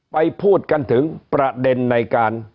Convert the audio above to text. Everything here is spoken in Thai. พูดกันถึงประเด็นในการ